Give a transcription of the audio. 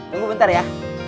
tunggu bentar ya